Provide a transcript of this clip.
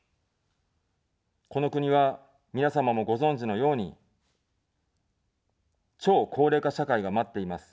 この国は、皆様もご存じのように、超高齢化社会が待っています。